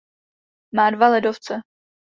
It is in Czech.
Má dva ledovce.